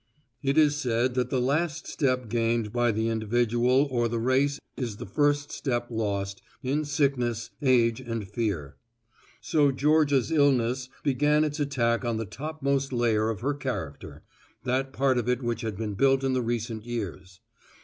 It is said that the last step gained by the individual or the race is the first step lost, in sickness, age and fear. So Georgia's illness began its attack on the topmost layer of her character, that part of it which had been built in the recent years.